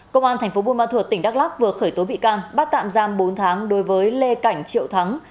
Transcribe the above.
công an thành phố buôn ma thuột tỉnh đắk lắc vừa khởi tố bị can bắt tạm giam bốn tháng đối với lê cảnh triệu thắng